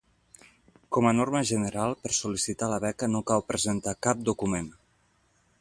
Com a norma general, per sol·licitar la beca no cal presentar cap document.